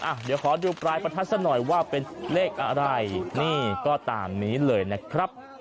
อ่ะเดี๋ยวขอดูปลายประทัดซะหน่อยว่าเป็นเลขอะไรนี่ก็ตามนี้เลยนะครับ